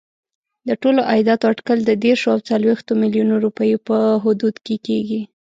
د ټولو عایداتو اټکل د دېرشو او څلوېښتو میلیونو روپیو په حدودو کې کېږي.